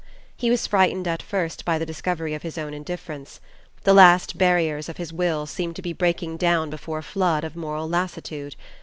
He was frightened at first by the discovery of his own indifference. The last barriers of his will seemed to be breaking down before a flood of moral lassitude.